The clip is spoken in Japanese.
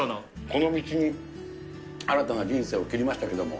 この道に新たな人生を切りましたけれども。